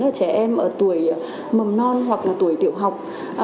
ở trẻ em ở tuổi mầm non hoặc là tuổi tiểu học